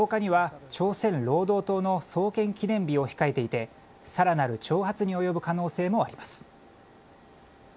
一方、北朝鮮は今月１０日には、朝鮮労働党の創建記念日を控えていて、さらなる挑発に及ぶ可能性もあります。